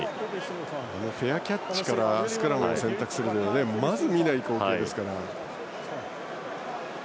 フェアキャッチからスクラム選択はまず見ない光景ですから。